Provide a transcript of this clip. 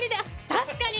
確かに。